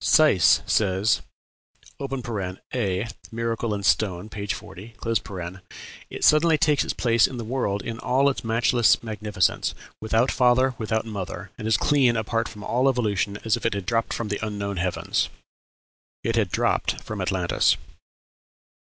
Seiss says ("A, Miracle in Stone," p. 40), "It suddenly takes its place in the world in all its matchless magnificence, without father, without mother, and as clean apart from all evolution as if it had dropped from the unknown heavens." It had dropped from Atlantis.